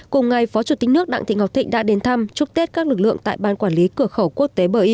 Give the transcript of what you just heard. cùng ngày phó chủ tịch nước đặng thị ngọc thịnh đã đến thăm chúc tết các lực lượng tại ban quản lý cửa khẩu quốc tế bờ y